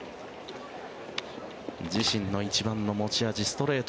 自身の一番の持ち味ストレート。